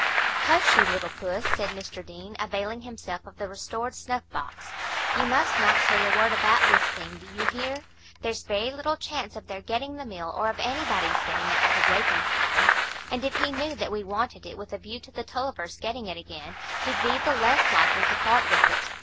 "Hush, you little puss," said Mr Deane, availing himself of the restored snuff box. "You must not say a word about this thing; do you hear? There's very little chance of their getting the mill or of anybody's getting it out of Wakem's hands. And if he knew that we wanted it with a view to the Tulliver's getting it again, he'd be the less likely to part with it.